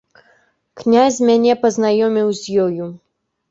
Князь мяне пазнаёміў з ёю.